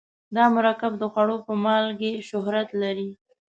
دا مرکب د خوړو په مالګې شهرت لري.